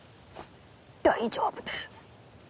大丈夫です。